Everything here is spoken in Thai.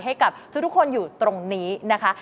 ให้กับทุกคนอยู่ตรงนี้นะคะ